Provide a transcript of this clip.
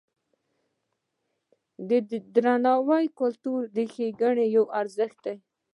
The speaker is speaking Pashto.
د درناوي کلتور د ښېګڼې یو ارزښت دی.